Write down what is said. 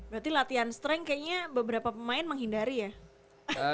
berarti latihan strength kayaknya beberapa pemain menghindari ya